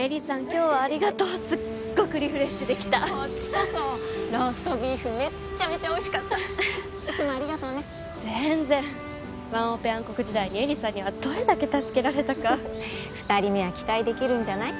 今日はありがとうすっごくリフレッシュできたこっちこそローストビーフめっちゃめちゃおいしかったいつもありがとうね全然ワンオペ暗黒時代に絵里さんにはどれだけ助けられたか二人目は期待できるんじゃない？